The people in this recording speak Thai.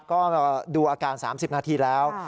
ก็รอดูอาการ๓๐นาทีแล้ว